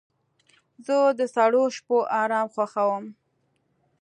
زه د سړو شپو آرام خوښوم.